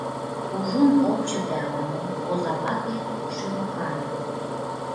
Кужун ок чыте ала-мо... — озавате шӱлыкаҥе.